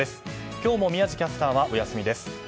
今日も宮司キャスターはお休みです。